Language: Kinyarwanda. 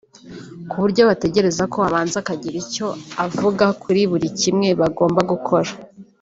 kuburyo bategerezaga ko abanza akagira icyo avuga kuri buri kimwe bagomba gukora